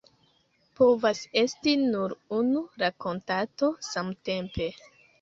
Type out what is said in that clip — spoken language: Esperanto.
Povas esti nur unu rakontanto samtempe.